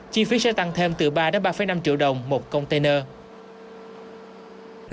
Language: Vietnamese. chi phí sẽ tăng thêm từ ba ba năm triệu đồng một container